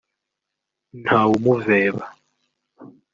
ntawamuveba